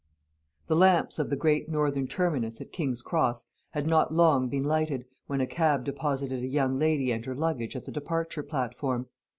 The lamps of the Great Northern Terminus at King's Cross had not long been lighted, when a cab deposited a young lady and her luggage at the departure platform.